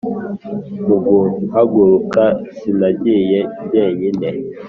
mu guhaguruka sinagiye jyenyine,